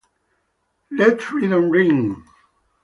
Let freedom ring!